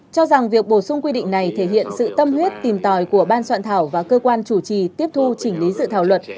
cho rằng việc bổ sung quy định này thể hiện sự tâm huyết tìm tòi của ban soạn thảo và cơ quan chủ trì tiếp thu chỉnh lý dự thảo luật